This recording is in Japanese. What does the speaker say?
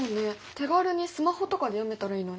手軽にスマホとかで読めたらいいのに。